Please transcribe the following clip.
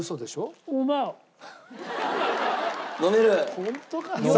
ホントかよ。